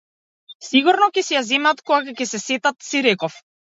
Сигурно ќе си ја земат, кога ќе се сетат, си реков.